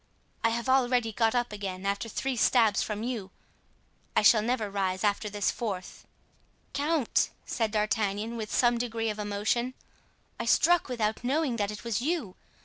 "I have already got up again after three stabs from you, I shall never rise after this fourth." "Count!" said D'Artagnan, with some degree of emotion, "I struck without knowing that it was you.